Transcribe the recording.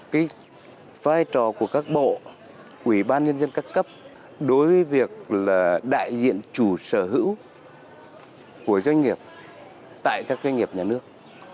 cái vai trò của các bộ quỹ ban nhân dân các cấp đối với việc là đại diện chủ sở hữu của doanh nghiệp tại các doanh nghiệp nhà nước